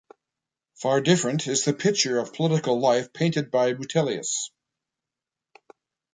Far different is the picture of political life painted by Rutilius.